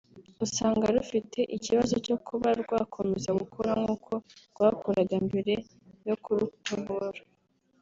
usanga rufite ikibazo cyo kuba rwa komeza gukora nk’uko rwakoraga mbere yo kurutobora